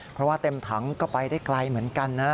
เพราะว่าเต็มถังก็ไปได้ไกลเหมือนกันนะ